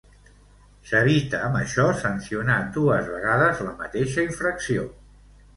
S'evita amb això sancionar dues vegades la mateixa infracció.